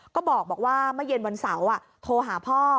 ก็บอกว่าเมื่อเย็นวันเสาร์โทรหาพ่อ